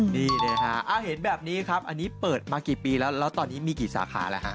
นี่เลยฮะเห็นแบบนี้ครับอันนี้เปิดมากี่ปีแล้วแล้วตอนนี้มีกี่สาขาแล้วฮะ